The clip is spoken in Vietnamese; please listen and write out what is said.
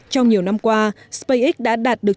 trong nhiều năm qua spacex đã đạt được